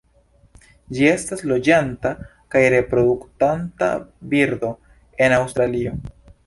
Ĝi estas loĝanta kaj reproduktanta birdo en Aŭstralio.